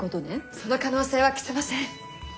その可能性は消せません。